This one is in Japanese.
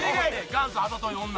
元祖あざとい女。